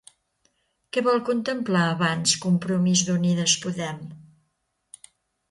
Què vol contemplar abans Compromís d'Unides Podem?